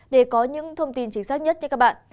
để có những thông tin chính xác nhất cho các bạn